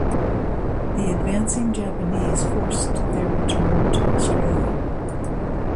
The advancing Japanese forced their return to Australia.